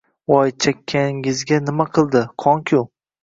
Voy, chakkangizga nima qildi, qon-ku!